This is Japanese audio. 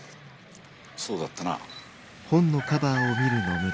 そうだったな。